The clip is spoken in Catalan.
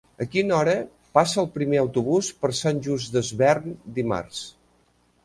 A quina hora passa el primer autobús per Sant Just Desvern dimarts?